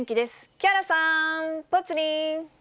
木原さん、ぽつリン。